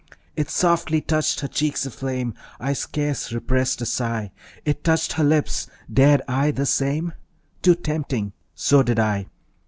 It softly touched her cheeks aflame. I scarce repressed a sigh. It touched her lips. Dared I the same? Too tempting; so did I.